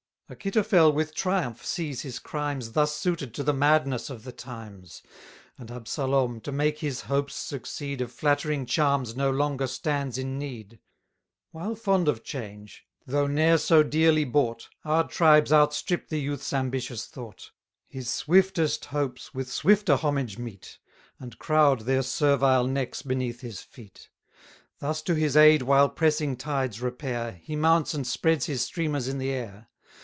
Achitophel with triumph sees his crimes Thus suited to the madness of the times; And Absalom, to make his hopes succeed, Of flattering charms no longer stands in need; 20 While fond of change, though ne'er so dearly bought, Our tribes outstrip the youth's ambitious thought; His swiftest hopes with swifter homage meet, And crowd their servile necks beneath his feet. Thus to his aid while pressing tides repair, He mounts and spreads his streamers in the air.